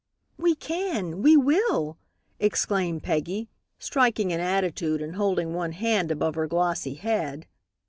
"We can! We will!" exclaimed Peggy, striking an attitude and holding one hand above her glossy head.